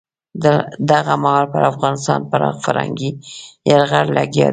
دغه مهال پر افغانستان پراخ فرهنګي یرغل لګیا دی.